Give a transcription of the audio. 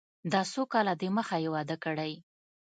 دا څو کاله د مخه يې واده کړى.